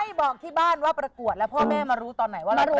บอกที่บ้านว่าประกวดแล้วพ่อแม่มารู้ตอนไหนว่าเรารู้